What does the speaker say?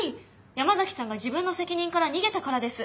山崎さんが自分の責任から逃げたからです。